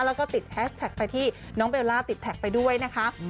แล้วก็ติดแฮชแท็กไปที่น้องเบลล่าติดแท็กไปด้วยนะคะ